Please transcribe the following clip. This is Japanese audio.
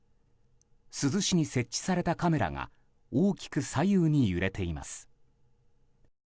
珠洲市に設置されたカメラが大きく左右に揺れています。